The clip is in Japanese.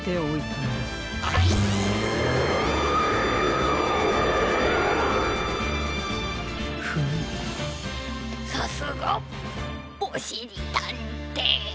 さすがおしりたんていさん。